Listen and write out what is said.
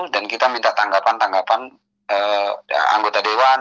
dan kita minta tanggapan tanggapan anggota dewan